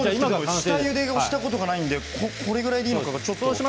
下ゆでをしたことがないのでこれぐらいでいいのかどうか。